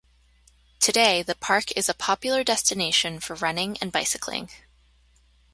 Today, the park is a popular destination for running and bicycling.